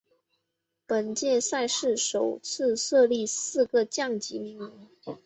本届赛事首次设立四个降级名额。